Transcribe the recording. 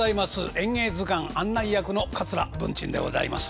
「演芸図鑑」案内役の桂文珍でございます。